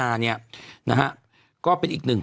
อันนี้อันนี้โคตรดัง